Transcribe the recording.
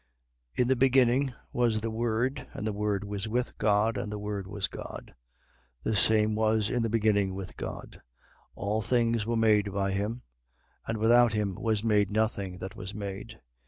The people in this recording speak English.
1:1. In the beginning was the Word: and the Word was with God: and the Word was God. 1:2. The same was in the beginning with God. 1:3. All things were made by him: and without him was made nothing that was made.